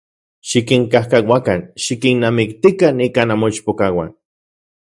Xikinkajkauakan, xikinnamiktikan ika nanmoichpokauan.